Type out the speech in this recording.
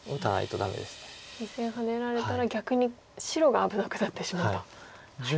２線ハネられたら逆に白が危なくなってしまうと。